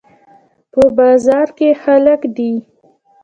په بازار کې خلک دي